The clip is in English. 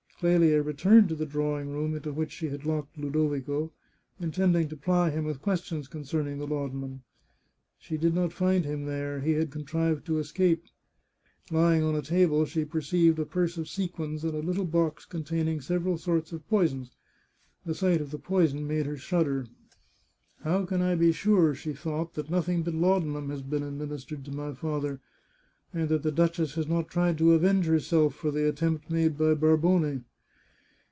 Clelia returned to the drawing room into which she had locked Ludovico, intending to ply him with questions con cerning the laudanum. She did not find him there ; he had contrived to escape. Lying on a table, she perceived a purse of sequins and a little box containing several sorts of poisons. The sight of the poison made her shudder, " How 400 The Chartreuse of Parma can I be sure," she thought, " that nothing but laudanum has been administered to my father, and that the duchess has not tried to avenge herself for the attempt made by Bar bone?